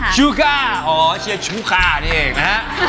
ชูก้าอ๋อชื่อชูค่านี่เองนะฮะ